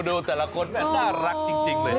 ดูแต่ละคนแม่น่ารักจริงเลย